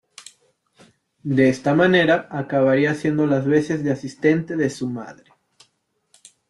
De esta manera acabaría haciendo las veces de asistente de su madre.